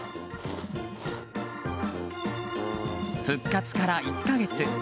復活から１か月。